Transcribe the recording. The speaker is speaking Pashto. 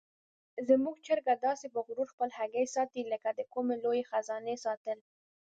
زموږ چرګه داسې په غرور خپلې هګۍ ساتي لکه د کومې لویې خزانې ساتل.